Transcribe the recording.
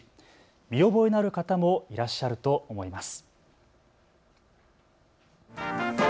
見覚えのある方もいらっしゃると思います。